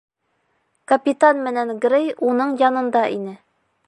Капитан менән Грей уның янында ине.